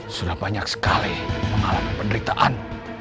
sudah banyak sekali mengalami penderitaan